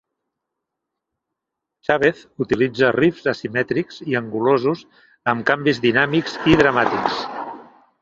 Chavez utilitza riffs asimètrics i angulosos amb canvis dinàmics i dramàtics.